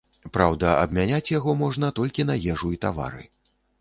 Праўда, абмяняць яго можна толькі на ежу і тавары.